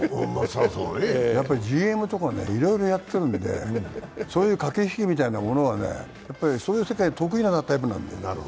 やっぱりＧＭとかがいろいろやってるんで駆け引きみたいなのはそういう世界、得意なタイプなので。